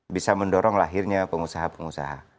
bisa mendorong lahirnya pengusaha pengusaha